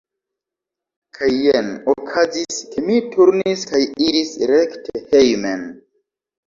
Kaj jen okazis, ke mi turnis kaj iris rekte hejmen.